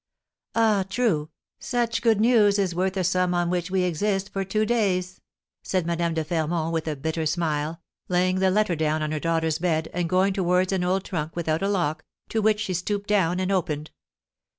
"Ah, true, such good news is worth a sum on which we exist for two days," said Madame de Fermont, with a bitter smile, laying the letter down on her daughter's bed, and going towards an old trunk without a lock, to which she stooped down and opened.